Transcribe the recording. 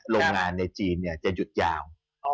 โรงงานในจีนจะหยุดยาว